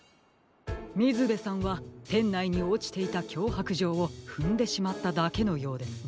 みずべさんはてんないにおちていたきょうはくじょうをふんでしまっただけのようですね。